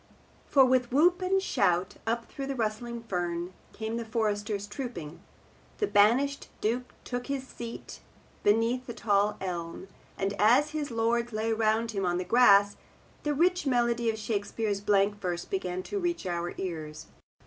For with whoop and shout, up through the rustling fern came the foresters trooping, the banished Duke took his seat beneath the tall elm, and as his lords lay around him on the grass, the rich melody of Shakespeare's blank verse began to reach our ears.